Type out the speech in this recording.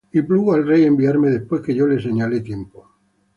Y plugo al rey enviarme, después que yo le señalé tiempo.